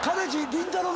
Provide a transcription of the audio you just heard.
りんたろー。